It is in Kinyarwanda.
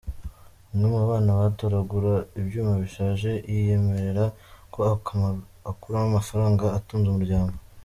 Umwe mu bana batoragura ibyuma bishaje yiyemerera ko akuramo amafaranga atunze umuryango.